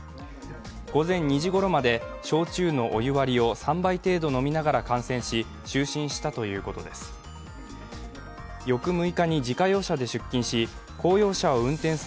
午前２時ごろまで、焼酎のお湯割りを３杯程度飲みながら就寝したということです。